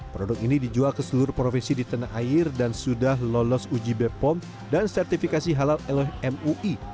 produk ini dijual ke seluruh provinsi di tanah air dan sudah lolos uji bepom dan sertifikasi halal oleh mui